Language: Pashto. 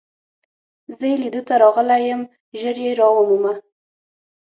زه يې لیدو ته راغلی یم، ژر يې را ومومه.